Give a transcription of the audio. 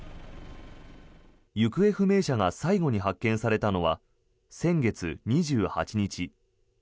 行方不明者が最後に発見されたのは先月２８日。